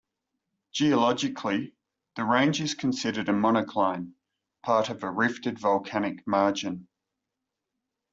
Geologically, the range is considered a monocline; part of a rifted volcanic margin.